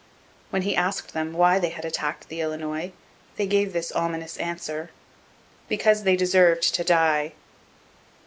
When he asked them why they had attacked the Illinois, they gave this ominous answer: 'Because they deserved to die.'